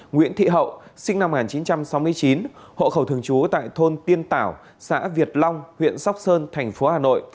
nguyễn thị hậu sinh năm một nghìn chín trăm sáu mươi chín hộ khẩu thường trú tại thôn tiên tảo xã việt long huyện sóc sơn thành phố hà nội